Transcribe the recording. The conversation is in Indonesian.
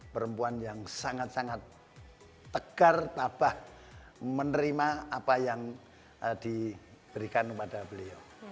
perempuan yang sangat sangat tegar tabah menerima apa yang diberikan kepada beliau